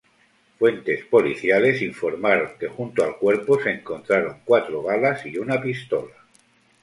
Fuentes policiales informaron que junto al cuerpo se encontraron cuatro balas y una pistola.